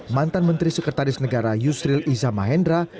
mantan menteri sekretaris negara yusril iza mahendra